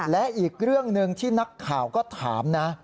และอีกเรื่องหนึ่งที่นักข่าวก็ถามนะ